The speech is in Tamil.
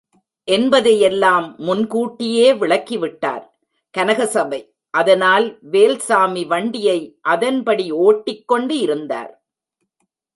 என்பதையெல்லாம் முன் கூட்டியே விளக்கி விட்டார் கனகசபை அதனால் வேல்சாமி வண்டியை அதன்படி ஓட்டிக் கொண்டிருந்தார்.